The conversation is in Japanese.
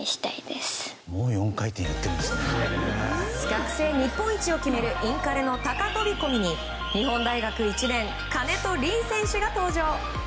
学生日本一を決めるインカレの高飛込に日本大学１年金戸凜選手が登場。